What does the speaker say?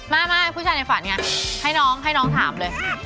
ไม่ผู้ชายในฝันไงให้น้องให้น้องถามเลย